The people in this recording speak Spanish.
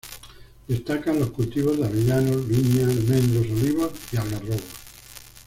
Destacan los cultivos de avellanos, viña, almendros, olivos y algarrobos.